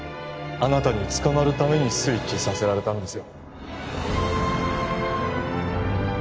あなたに捕まるためにスイッチさせられたんですよ